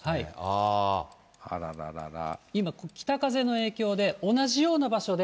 あー、今、北風の影響で、同じような場所で。